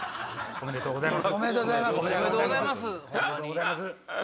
おめでとうございます。